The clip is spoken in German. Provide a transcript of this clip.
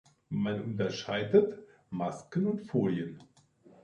Man unterscheidet Masken und Folien.